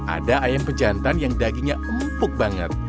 ada ayam pejantan yang dagingnya empuk banget